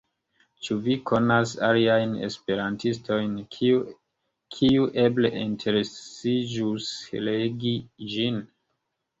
Ĉu vi konas aliajn esperantistojn, kiuj eble interesiĝus legi ĝin?